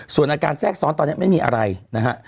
ส่วนอาการแทรกซ้อนตอนนี้ไม่มีอะไรนะฮะ